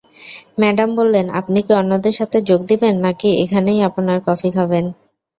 Madam বললেন, আপনি কি অন্যদের সাথে যোগ দেবেন নাকি এখানেই আপনার কফি খাবেন?